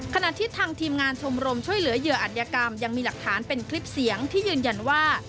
ขณะที่ทางทีมงานชมรมช่วยเหลือเหยื่ออัธยกรรมยังมีหลักฐานเป็นคลิปเสียงที่ยืนยันว่า